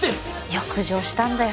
欲情したんだよ。